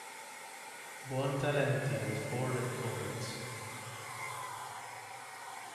Buontalenti was born in Florence.